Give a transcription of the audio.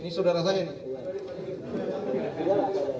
ini saudara saya nih